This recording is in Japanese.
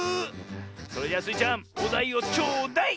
それじゃスイちゃんおだいをちょうだい！